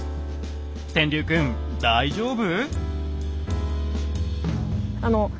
天龍くん大丈夫？